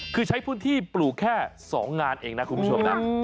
คือใช้พื้นที่ปลูกแค่๒งานเองนะคุณผู้ชมนะ